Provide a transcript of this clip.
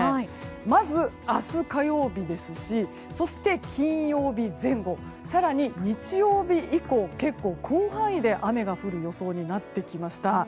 まず、明日火曜日ですしそして金曜日前後更には、日曜日以降も結構、広範囲で雨が降る予想になってきました。